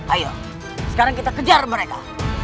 ayo sekarang kita kejar mereka